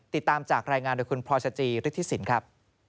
ติดตามจากรายงานโดยคุณพลอยสจิฤทธิสินครับ